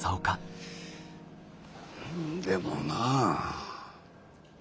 でもなあ。